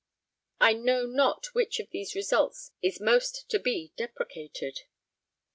I know not which of these results is most to be deprecated."